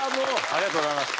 ありがとうございます。